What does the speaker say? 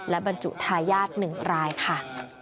และบรรจุทายาท๑รายค่ะ